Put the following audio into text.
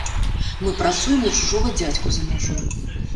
Мы працуем на чужога дзядзьку за мяжой.